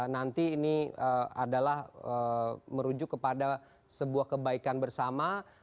nanti ini adalah merujuk kepada sebuah kebaikan bersama